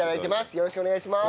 よろしくお願いします。